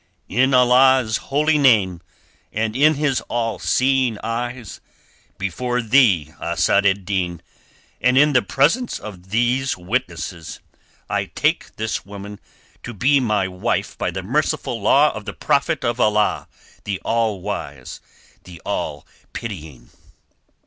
"In Allah's Holy Name and in His All seeing eyes, before thee, Asad ed Din, and in the presence of these witnesses, I take this woman to be my wife by the merciful law of the Prophet of Allah the All wise, the All pitying."